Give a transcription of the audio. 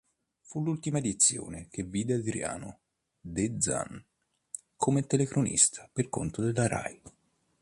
Fu l'ultima edizione che vide Adriano De Zan come telecronista per conto della Rai.